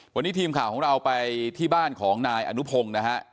วันนี้ทีมข่าวของเราไปที่บ้านของนายอนุพงศ์นะฮะ